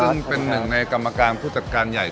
ซึ่งเป็นหนึ่งในกรรมการผู้จัดการใหญ่